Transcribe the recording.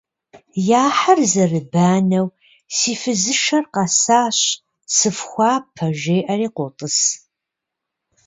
Я хьэр зэрыбанэу «Си фызышэр къэсащ, сыфхуапэ», — жеӏэри къотӏыс.